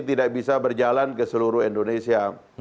tidak bisa berjalan ke seluruh indonesia